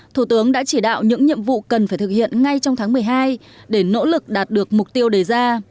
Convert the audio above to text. thủ tướng đã chỉ đạo những nhiệm vụ cần phải thực hiện ngay trong tháng một mươi hai để nỗ lực đạt được mục tiêu đề ra